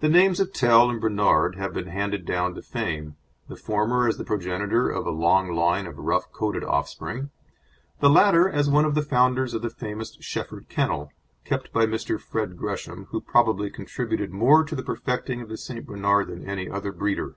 The names of Tell and Bernard have been handed down to fame, the former as the progenitor of a long line of rough coated offspring; the latter as one of the founders of the famous Shefford Kennel, kept by Mr. Fred Gresham, who probably contributed more to the perfecting of the St. Bernard than any other breeder.